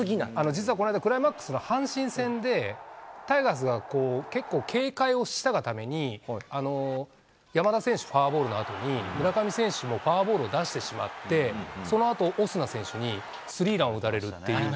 実はクライマックスの阪神戦で、タイガースが結構、警戒をしたがために、山田選手、フォアボールのあとに村上選手もフォアボールを出してしまって、そのあとオスナ選手にスリーランを打たれるっていう。